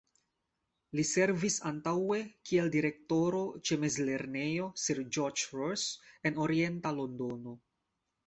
Li servis antaŭe kiel Direktoro ĉe Mezlernejo Sir George Ross en orienta Londono.